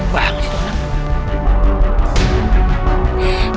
banget sih orang